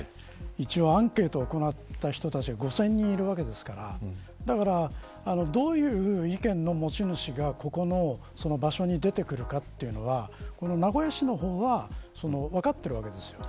一応、アンケートを行った人たちが５０００人いるわけですからだからどういう意見の持ち主がここの場所に出てくるかというのは名古屋市の方は分かっているわけですよ。